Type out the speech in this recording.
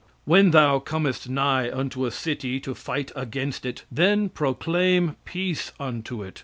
"When thou comest nigh unto a city to fight against it, then proclaim peace unto it.